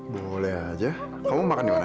boleh aja kamu mau makan dimana